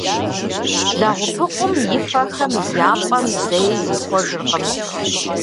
Лэгъупыкъум и фэхэм я пӏэм зэи зихъуэжыркъым.